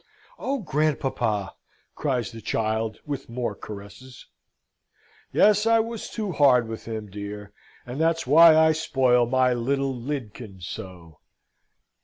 "Oh, grandpapa!" cries the child, with more caresses. "Yes, I was too hard with him, dear; and that's why I spoil my little Lydkin so!"